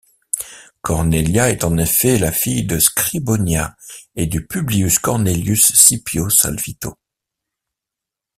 Cornelia est en effet la fille de Scribonia et de Publius Cornelius Scipio Salvito.